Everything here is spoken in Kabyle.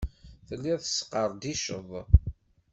Telliḍ tesqerdiceḍ.